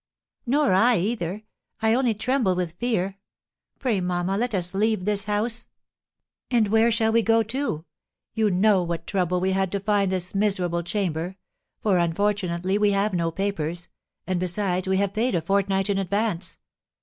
"Nor I either. I only tremble with fear. Pray, mamma, let us leave this house!" "And where shall we go to? You know what trouble we had to find this miserable chamber; for, unfortunately, we have no papers, and, besides, we have paid a fortnight in advance.